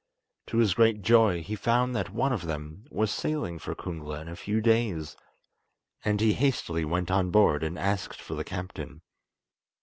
To his great joy, he found that one of them was sailing for Kungla in a few days, and he hastily went on board, and asked for the captain.